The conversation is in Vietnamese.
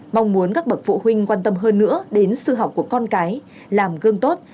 mong muốn các bậc phụ huynh quan tâm hơn nữa đến sư học của con cái làm gương tốt